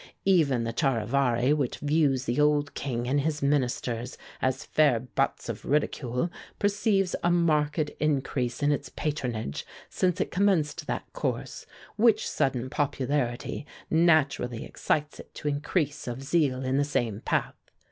Even the 'Charivari,' which views the old King and his Ministers as fair butts of ridicule, perceives a marked increase in its patronage since it commenced that course, which sudden popularity naturally excites it to increase of zeal in the same path.